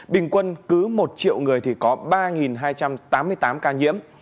bình quân cứ một triệu người thì có ba hai trăm tám mươi tám ca nhiễm